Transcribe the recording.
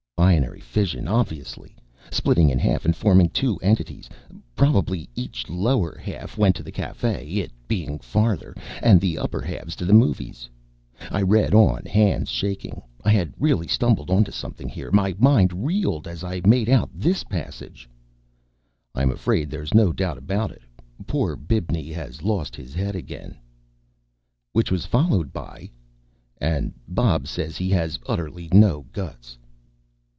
_ Binary fission, obviously. Splitting in half and forming two entities. Probably each lower half went to the cafe, it being farther, and the upper halves to the movies. I read on, hands shaking. I had really stumbled onto something here. My mind reeled as I made out this passage: ... I'm afraid there's no doubt about it. Poor Bibney has lost his head again. Which was followed by: _... and Bob says he has utterly no guts.